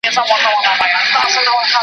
کۀ راپۀ یاد شي، خدای پۀ ما مهرباني وکړي او